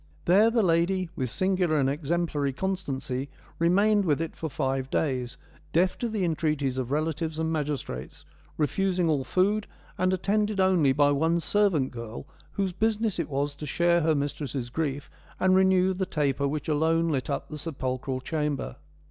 There the lady ' with singular and exemplary constancy,' remained with it for five days, deaf to the entreaties of relatives and magis trates, refusing all food, and attended only by one servant girl whose business it was to share her mistress' grief and renew the taper which alone lit up the sepulchral chamber.